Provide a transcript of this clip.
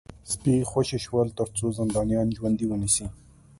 سپي خوشي شول ترڅو زندانیان ژوندي ونیسي